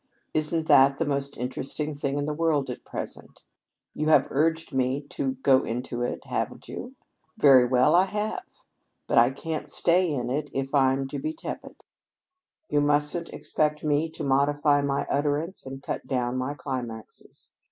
Isn't that the most interesting thing in the world at present? You've all urged me to go into it, haven't you? Very well, I have. But I can't stay in it if I'm to be tepid. You mustn't expect me to modify my utterance and cut down my climaxes.